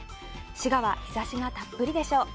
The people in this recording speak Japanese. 滋賀は日差しがたっぷりでしょう。